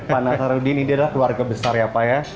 mas harudin ini dia adalah keluarga besar ya pak ya